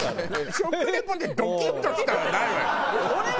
食リポで「ドキッとした」はないわよ。